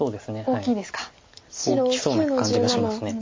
大きそうな感じがします。